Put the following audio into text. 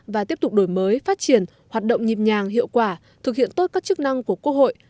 và tiếp tục đổi mới phát triển hoạt động nhịp nhàng hiệu quả thực hiện tốt các chức năng của quốc hội